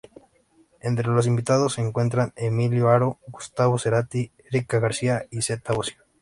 Entre los invitados se encuentran Emilio Haro, Gustavo Cerati, Erica García y Zeta Bosio.